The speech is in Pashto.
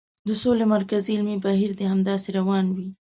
د سولې مرکز علمي بهیر دې همداسې روان وي.